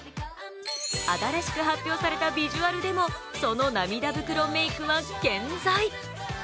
新しく発表されたビジュアルでもその涙袋メイクは健在。